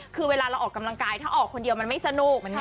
คือเวลาเราออกกำลังกายถ้าออกคนเดียวมันไม่สนุก